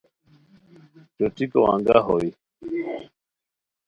چوٹیکو انگہ ہوئے